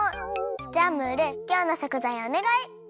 じゃあムールきょうのしょくざいおねがい！